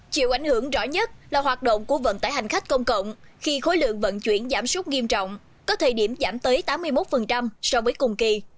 chịu ảnh hưởng rõ nhất là hoạt động của vận tải hành khách công cộng khi khối lượng vận chuyển giảm súc nghiêm trọng có thời điểm giảm tới tám mươi một so với cùng kỳ